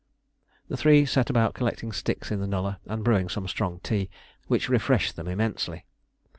The three set about collecting sticks in the nullah and brewing some strong tea, which refreshed them immensely.